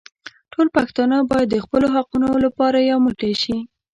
ټول پښتانه بايد د خپلو حقونو لپاره يو موټي شي.